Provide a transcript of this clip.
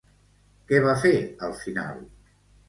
Què va fer al final?